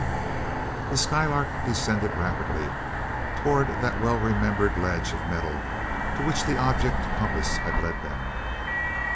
The Skylark descended rapidly toward that well remembered ledge of metal to which the object compass had led them.